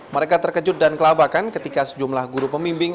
mereka terkejut dan kelabakan ketika sejumlah guru pemimpin